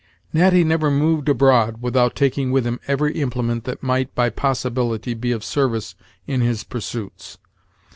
Natty never moved abroad without taking with him every implement that might, by possibility, be of service in his pursuits.